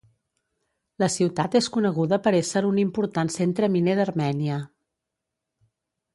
La ciutat és coneguda per ésser un important centre miner d'Armènia.